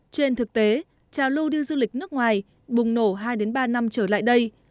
trên thực tế trào lưu đi du lịch nước ngoài bùng nổ hai ba năm trở lại đây